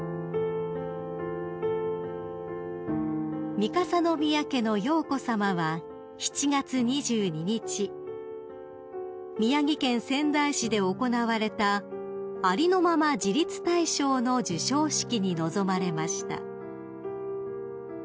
［三笠宮家の瑶子さまは７月２２日宮城県仙台市で行われたありのまま自立大賞の授賞式に臨まれました］